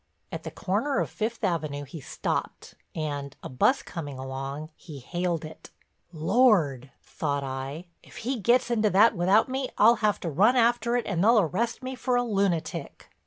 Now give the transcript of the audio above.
At the corner of Fifth Avenue he stopped and, a bus coming along, he haled it. "Lord," thought I, "if he gets into that without me I'll have to run after it and they'll arrest me for a lunatic."